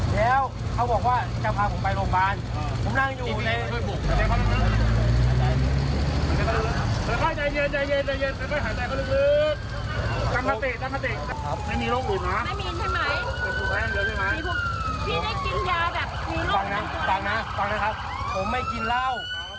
แล้วเขาบอกว่าจะพาผมไปโรงพยาบาลผมนั่งอยู่ใน